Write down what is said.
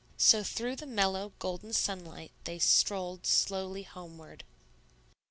So through the mellow, golden sunlight they strolled slowly homeward.